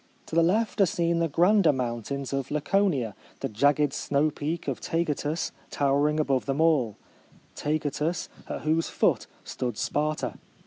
To the left are seen the grander mountains of Laconia, the jagged snow peak of Taygetus towering above them all — Taygetus, at whose foot stood Sparta.